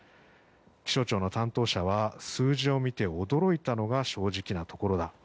気象庁の担当者は数字を見て驚いたのが正直なところだ。